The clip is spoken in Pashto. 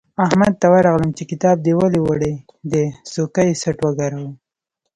احمد ته ورغلم چې کتاب دې ولې وړل دی؛ سوکه یې څټ وګاراوو.